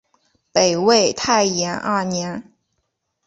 北魏太延二年。